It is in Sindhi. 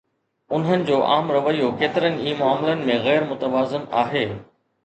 انهن جو عام رويو ڪيترن ئي معاملن ۾ غير متوازن آهي.